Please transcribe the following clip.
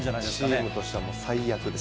チームとしては最悪です。